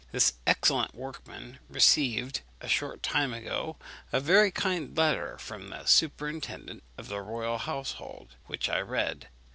This excellent workman received, a short time ago, a very kind letter from the superintendent of the royal household, which I read.